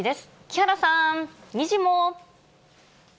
木原さん、にじモ。